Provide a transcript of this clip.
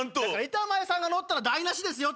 「板前さんのったら台無しですよ」